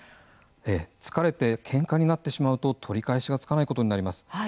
疲れてけんかになってしまうと取り返しがつかないことになります。